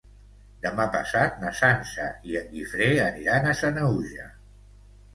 Demà passat na Sança i en Guifré aniran a Sanaüja.